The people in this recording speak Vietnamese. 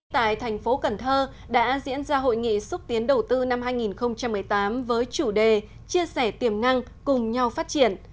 tại thành phố cần thơ đã diễn ra hội nghị xúc tiến đầu tư năm hai nghìn một mươi tám với chủ đề chia sẻ tiềm năng cùng nhau phát triển